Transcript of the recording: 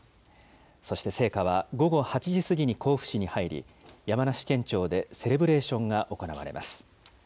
そして聖火は、午後８時過ぎに甲府市に入り、山梨県庁でセレブレーションが行われます。